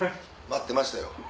待ってましたよ